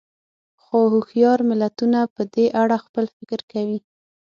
خو هوښیار ملتونه په دې اړه خپل فکر کوي.